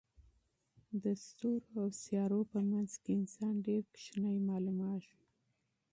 د ستورو او سیارو په منځ کې انسان ډېر کوچنی معلومېږي.